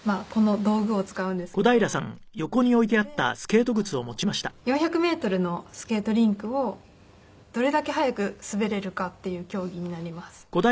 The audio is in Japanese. このスケートで４００メートルのスケートリンクをどれだけ速く滑れるかっていう競技になります。